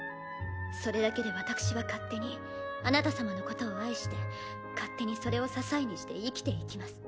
それだけで私は勝手にあなた様のことを愛して勝手にそれを支えにして生きていきます。